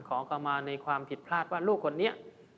ขอเข้ามาในความผิดพลาดว่าลูกคนนี้